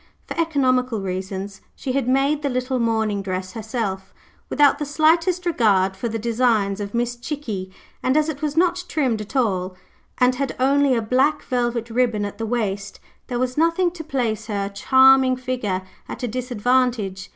For economical reasons she had made the little morning dress herself, without the slightest regard for the designs of Miss Chickie; and as it was not trimmed at all, and had only a black velvet ribbon at the waist, there was nothing to place her charming figure at a disadvantage.